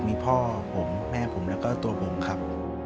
มีพ่อผมแม่ผมแล้วก็ตัวผมครับ